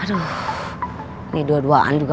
aduh ini dua duaan juga